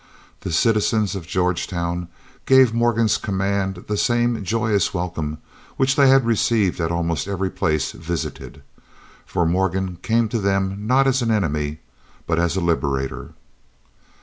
The citizens of Georgetown gave Morgan's command the same joyous welcome which they had received at almost every place visited; for Morgan came to them not as an enemy, but as a liberator.